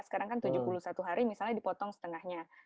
sekarang kan tujuh puluh satu hari misalnya dipotong setengahnya